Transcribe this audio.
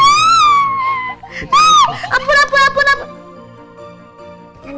apun apun apun apun